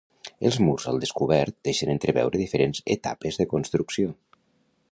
Els murs al descobert deixen entreveure diferents etapes de construcció.